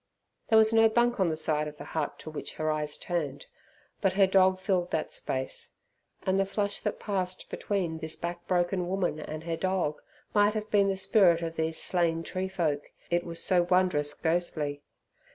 There was no bunk on the side of the hut to which her eyes turned, but her dog filled that space, and the flash that passed between this back broken woman and her dog might have been the spirit of these slain tree folk, it was so wondrous ghostly.